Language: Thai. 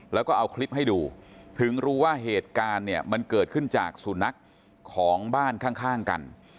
แล้วก็เอาคลิปให้ดูถึงรู้ว่าเหตุการณ์เนี่ยมันเกิดขึ้นจากสุนัขของบ้านข้างกัน